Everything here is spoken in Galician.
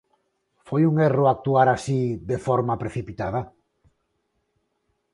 Foi un erro actuar así, de forma precipitada?